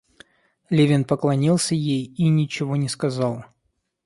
Левин поклонился ей и ничего не сказал.